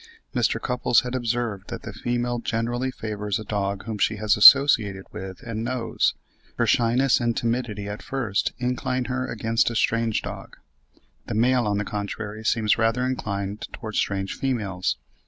Mr. Cupples has observed that the female generally favours a dog whom she has associated with and knows; her shyness and timidity at first incline her against a strange dog. The male, on the contrary, seems rather inclined towards strange females.